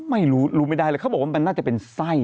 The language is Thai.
ไม่รู้รู้ไม่ได้เลยเขาบอกว่ามันน่าจะเป็นไส้